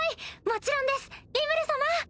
もちろんですリムル様！